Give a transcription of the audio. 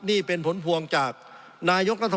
สงบจนจะตายหมดแล้วครับ